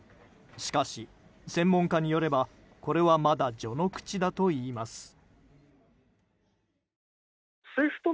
しかし、専門家によればこれはまだ序の口だといいます。